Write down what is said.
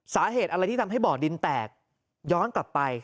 สาเหตุอะไรที่ทำให้บ่อดินแตกย้อนกลับไป